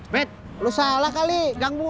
ke kiri bang